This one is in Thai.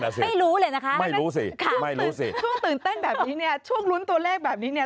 นั่นแหละสิไม่รู้เลยนะคะคำตื่นเต้นแบบนี้เนี่ยช่วงรุ้นตัวเลขแบบนี้เนี่ย